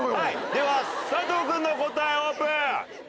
では佐藤君の答えオープン。